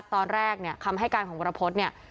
ตอนแรกคำให้การของกรพส